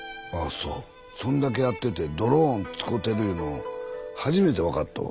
そんだけやっててドローン使うてるゆうの初めて分かったわ。